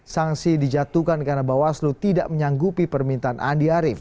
sanksi dijatuhkan karena bawaslu tidak menyanggupi permintaan andi arief